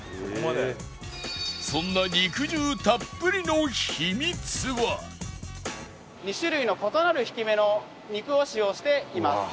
そんな２種類の異なる挽き目の肉を使用しています。